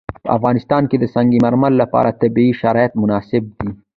په افغانستان کې د سنگ مرمر لپاره طبیعي شرایط مناسب دي.